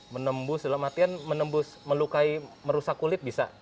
menembus dalam artian menembus melukai merusak kulit bisa